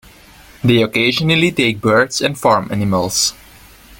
They occasionally take birds and farm animals.